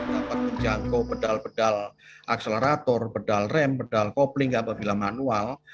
dapat menjangkau pedal pedal akselerator pedal rem pedal kopling apabila manual